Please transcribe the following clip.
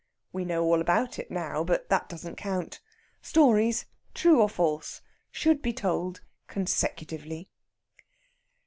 We know all about it now, but that doesn't count. Stories, true or false, should be told consecutively.